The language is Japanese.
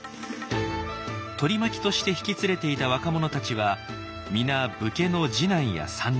取り巻きとして引き連れていた若者たちは皆武家の次男や三男。